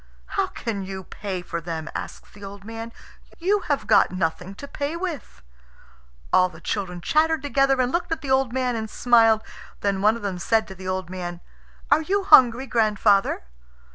"How can you pay for them?" asks the old man. "You have got nothing to pay with." All the children chattered together, and looked at the old man and smiled. Then one of them said to the old man, "Are you hungry, grandfather?"